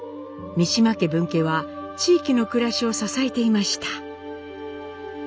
三島家分家は地域の暮らしを支えていました。